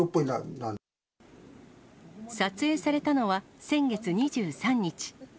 撮影されたのは、先月２３日。